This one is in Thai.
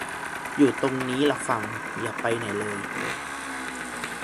อยู่ตรงนี้ล่ะฟัง อย่าไปไหนเลย